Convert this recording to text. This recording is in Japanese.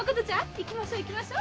行きましょ行きましょ！